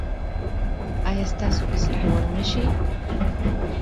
ایا ستاسو اصلاح به و نه شي؟